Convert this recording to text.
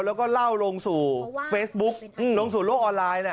แล้วก็เล่าลงสู่เฟซบุ๊กลงสู่โลกออนไลน์